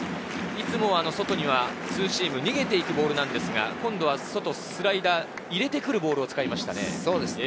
いつも外にはツーシーム、逃げていくボールなんですが今度は外、スライダー。入れてくるボールを使いましたね。